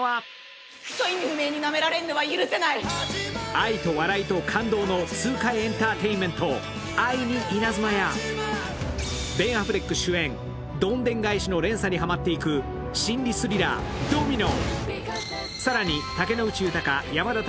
アイト笑いと感動の痛快エンターテインメント「愛にイナズマ」やベン・アフレック主演、どんでん返しの連鎖にはまっていく心理スリラー「ドミノ」。